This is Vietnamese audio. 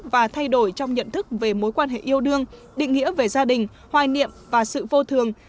và thay đổi trong nhận thức về mối quan hệ yêu đương định nghĩa về gia đình hoài niệm và sự vô thường